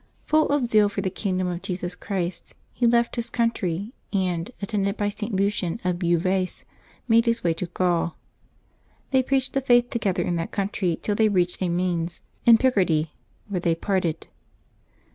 Full of zeal for the kingdom of Jesus Christ, he left his countr}^ and, attended by St. Lucian of BeauTais, made his way to Gaul. They preached the Faith together in that country till they reached Amiens in Pic ardy, where they parted.